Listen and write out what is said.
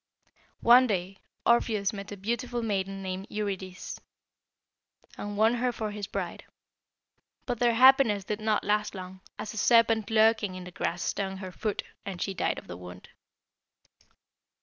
"One day Orpheus met a beautiful maiden named Eurydice, and won her for his bride. But their happiness did not last long, as a serpent lurking in the grass stung her foot, and she died of the wound.